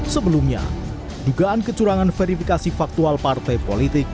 sebelumnya dugaan kecurangan verifikasi faktual partai politik